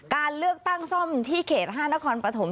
การเลือกตั้งซ่อมที่เขต๕นครปฐม